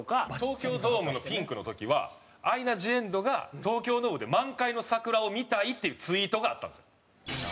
東京ドームのピンクの時はアイナ・ジ・エンドが「東京ドームで満開の桜を見たい」っていうツイートがあったんですよ。